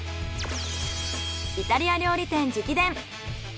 イタリア料理店直伝！